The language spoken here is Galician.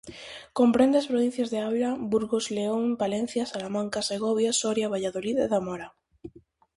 Comprende as provincias de Ávila, Burgos, León, Palencia, Salamanca, Segovia, Soria, Valladolid e Zamora.